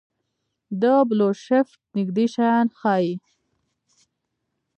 د بلوشفټ نږدې شیان ښيي.